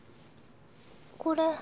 これ。